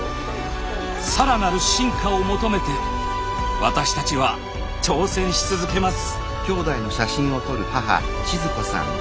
更なる進化を求めて私たちは挑戦し続けます。